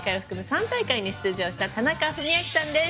３大会に出場した田中史朗さんです。